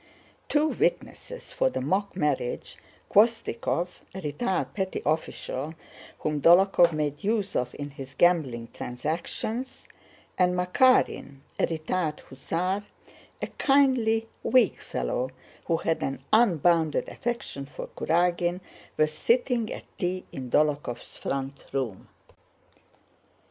Two witnesses for the mock marriage—Khvóstikov, a retired petty official whom Dólokhov made use of in his gambling transactions, and Makárin, a retired hussar, a kindly, weak fellow who had an unbounded affection for Kurágin—were sitting at tea in Dólokhov's front room.